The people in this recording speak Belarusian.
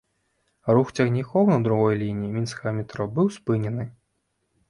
Рух цягнікоў на другой лініі мінскага метро быў спынены.